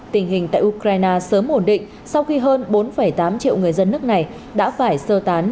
tình hình tại ukraine sớm ổn định sau khi hơn bốn tám triệu người dân nước này đã phải sơ tán